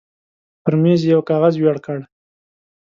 پر مېز يې يو کاغذ وېړ کړ.